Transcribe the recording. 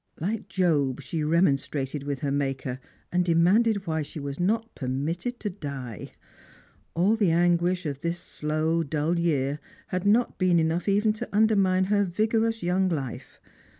Like Job, she remonstrated with her Maker, and demanded why she was not permitted to die. All the anguish of this slow dull year had not been enough even to undermine Uer vigorous young life.